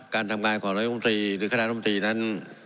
การทำงานของนายมนตรีหรือคณะรัฐมนตรีนั้น